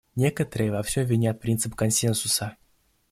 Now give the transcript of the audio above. Некоторые во всем винят принцип консенсуса.